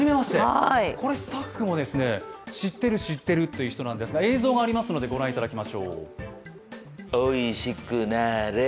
これ、スタッフも知っている、知っているという人なんですが映像がありますのでご覧いただきましょう。